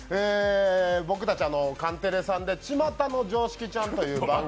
僕たち、カンテレさんで「ちまたのジョーシキちゃん」という番組。